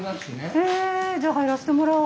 へえじゃあ入らしてもらおう。